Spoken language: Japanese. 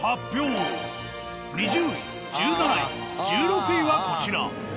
２０位１７位１６位はこちら。